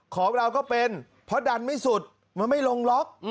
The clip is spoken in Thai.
ของเราก็เป็นเพราะดันไม่สุดมันไม่ลงล็อก